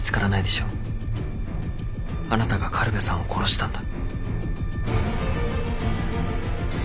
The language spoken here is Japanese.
あなたが苅部さんを殺したんだ。